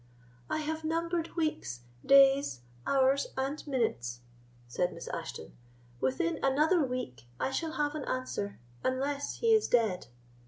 "I have numbered weeks, days, hours, and minutes," said Miss Ashton; "within another week I shall have an answer, unless he is dead.